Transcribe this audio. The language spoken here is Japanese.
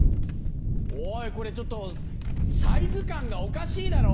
おいこれちょっとサイズ感がおかしいだろ！